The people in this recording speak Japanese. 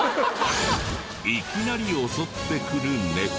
いきなり襲ってくるネコ。